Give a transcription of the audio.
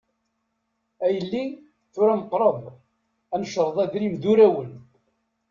A yelli, tura meqqreḍ, ad necreḍ adrim d urawen.